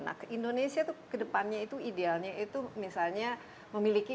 nah ke indonesia itu ke depannya itu idealnya itu misalnya memiliki